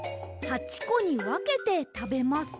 ８こにわけてたべます。